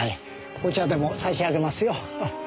お茶でも差し上げますよ。